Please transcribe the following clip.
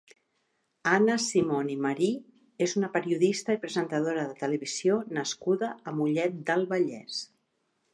Anna Simon i Marí és una periodista i presentadora de televisió nascuda a Mollet del Vallès.